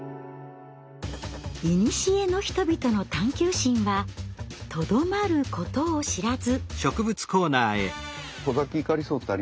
いにしえの人々の探求心はとどまることを知らず。